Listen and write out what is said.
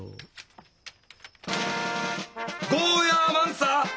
ゴーヤーマンさぁ！